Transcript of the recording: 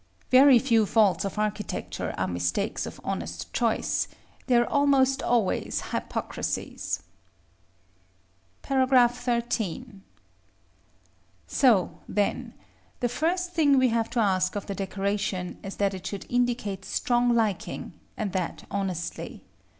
Very few faults of architecture are mistakes of honest choice: they are almost always hypocrisies. § XIII. So, then, the first thing we have to ask of the decoration is that it should indicate strong liking, and that honestly.